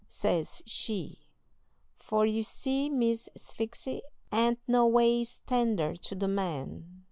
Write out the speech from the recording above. says she; for, you see, Miss Sphyxy ain't no ways tender to the men.